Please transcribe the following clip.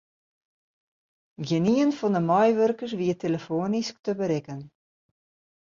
Gjinien fan de meiwurkers wie telefoanysk te berikken.